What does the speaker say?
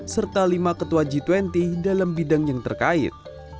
serta lima ketua g dua puluh dalam bidang yang terkait